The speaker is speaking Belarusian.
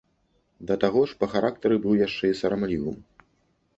Да таго ж па характары быў яшчэ і сарамлівым.